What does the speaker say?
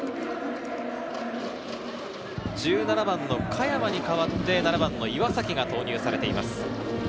１７番の香山に代わって７番の岩崎が投入されています。